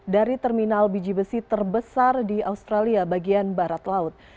dari terminal biji besi terbesar di australia bagian barat laut